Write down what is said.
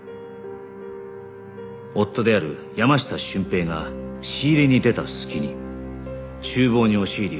夫である山下俊平が仕入れに出た隙に厨房に押し入り